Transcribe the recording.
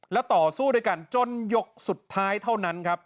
และต่อสู้ด้วยกันจนยกสุดท้ายเท่านั้นครับ